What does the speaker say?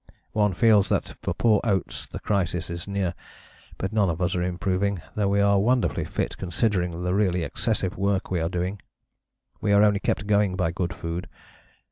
One feels that for poor Oates the crisis is near, but none of us are improving, though we are wonderfully fit considering the really excessive work we are doing. We are only kept going by good food.